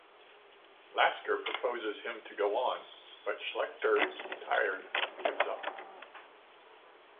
Lasker proposes him to go on, but Schlechter, tired, gives up.